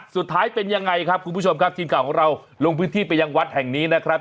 สุดท้ายเป็นยังไงครับคุณผู้ชมครับทีมข่าวของเราลงพื้นที่ไปยังวัดแห่งนี้นะครับ